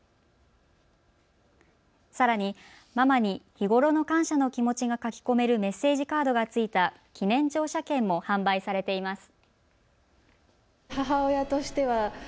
さらに、ママに日頃の感謝の気持ちが書き込めるメッセージカードが付いた記念乗車券も販売されています。